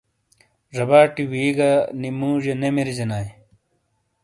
ژباٹی وی گہ نی موجئیے نے مریجنائیے ۔